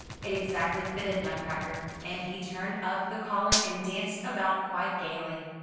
It exactly fitted Nutcracker, and he turned up the collar and danced about quite gayly.